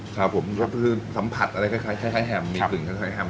ครับผมก็คือสัมผัสอะไรคล้ายแฮมมีกลิ่นคล้ายแฮม